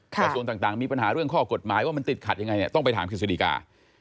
กระทรวงต่างมีปัญหาเรื่องข้อกฎหมายว่ามันติดขัดยังไงเนี่ยต้องไปถามกฤษฎีกา